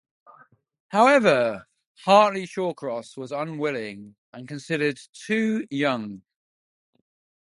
However, Hartley Shawcross was unwilling and considered too young.